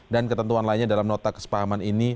dan ketentuan lainnya dalam nota kesepakaman ini